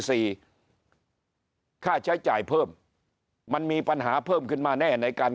ค่าใช้จ่ายเพิ่มมันมีปัญหาเพิ่มขึ้นมาแน่ในการ